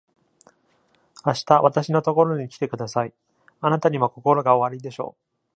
明日、私のところに来てください。あなたにも心がおありでしょう。